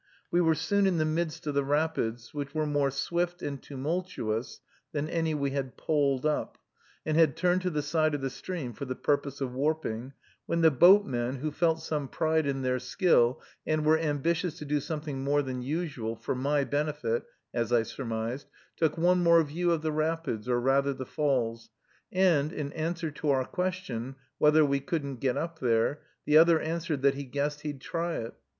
We were soon in the midst of the rapids, which were more swift and tumultuous than any we had poled up, and had turned to the side of the stream for the purpose of warping, when the boatmen, who felt some pride in their skill, and were ambitious to do something more than usual, for my benefit, as I surmised, took one more view of the rapids, or rather the falls; and, in answer to our question, whether we couldn't get up there, the other answered that he guessed he'd try it.